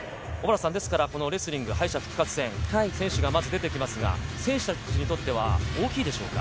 レスリング敗者復活戦、選手がまず出てきますが、選手たちにとっては大きいでしょうか？